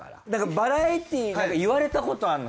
バラエティー言われたことあるの。